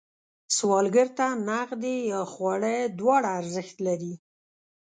سوالګر ته نغدې یا خواړه دواړه ارزښت لري